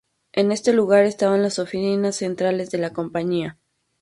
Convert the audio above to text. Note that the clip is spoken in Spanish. En este lugar estaban las oficinas centrales de la compañía.